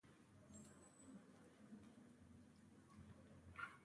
سیول انجنیری زموږ د ژوند ډیره برخه اغیزمنه کوي.